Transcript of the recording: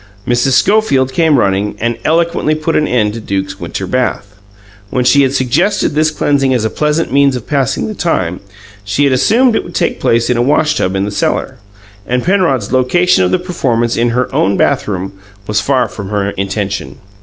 Mrs. Schofield came running, and eloquently put an end to Duke's winter bath. When she had suggested this cleansing as a pleasant means of passing the time, she assumed that it would take place in a washtub in the cellar; and Penrod's location of the performance in her own bathroom was far from her intention.